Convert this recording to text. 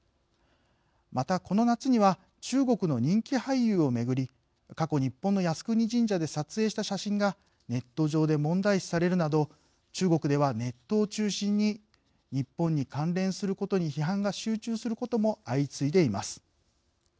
また、この夏には中国の人気俳優をめぐり過去、日本の靖国神社で撮影した写真がネット上で問題視されるなど中国では、ネットを中心に日本に関連することに批判が集中することも相次いでいます。